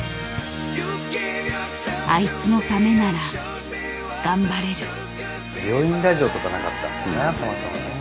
「あいつのためなら頑張れる」。